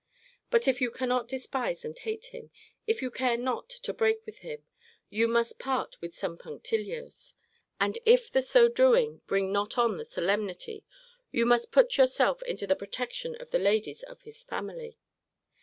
But if you cannot despise and hate him if you care not to break with him, you must part with some punctilio's. And if the so doing bring not on the solemnity, you must put yourself into the protection of the ladies of his family.